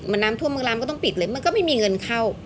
มันน้ำท่วมเมืองรามก็ต้องปิดเลยมันก็ไม่มีเงินเข้า